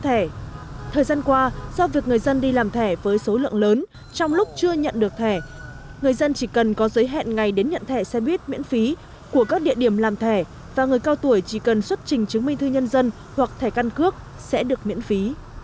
thời gian qua do việc người dân đi làm thẻ với số lượng lớn trong lúc chưa nhận được thẻ người dân chỉ cần có giới hẹn ngày đến nhận thẻ xe buýt miễn phí của các địa điểm làm thẻ và người cao tuổi chỉ cần xuất trình chứng minh thư nhân dân hoặc thẻ căn cước sẽ được miễn phí